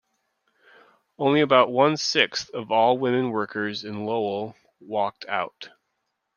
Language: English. Only about one sixth of all women workers in Lowell walked out.